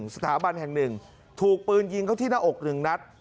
สถาบันแห่ง๑ถูกปืนยิงเขาที่หน้าอก๑นัด